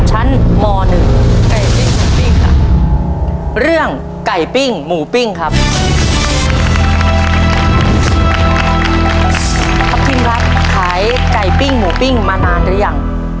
ครับขายไก่ปิ้งหมูปิ้งมานานหรือยัง